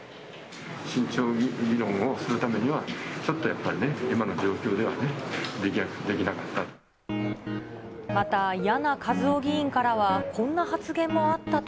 慎重に議論をするためには、ちょっとやっぱりね、今の状況ではね、できなかったと。